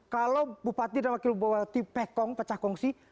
kalau bupati dan wakil bupati pekong pecah kongsi